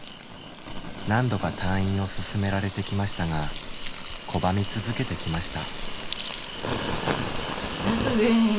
何度か退院を勧められてきましたが拒み続けてきました。